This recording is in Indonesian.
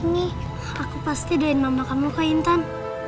tungguin nih aku pasti doain mama kamu ke intan